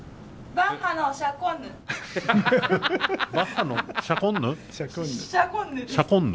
バッハの「シャコンヌ」？